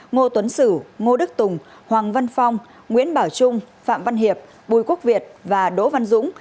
ngô tuấn sử ngô đức tùng hoàng văn phong nguyễn bảo trung phạm văn hiệp bùi quốc việt và đỗ văn dũng